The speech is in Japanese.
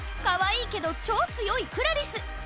かわいいけど超強いクラリス。